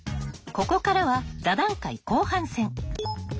ここからは座談会後半戦！